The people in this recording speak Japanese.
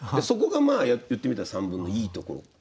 そこがまあ言ってみたら散文のいいところ。